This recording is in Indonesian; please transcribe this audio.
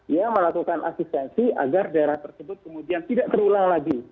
ya melakukan asistensi agar daerah tersebut kemudian tidak terulang lagi